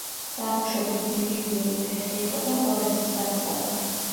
წარმოშობით ილირიელი გლეხი იყო და ღორებს მწყემსავდა.